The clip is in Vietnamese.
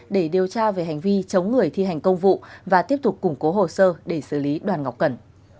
để điều tra về hành vi chống người thi hành công vụ và tiếp tục củng cố hồ sơ để xử lý đoàn ngọc cần